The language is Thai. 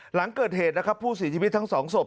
หลังเกิดเหตุนะครับผู้เสียชีวิตทั้งสองศพ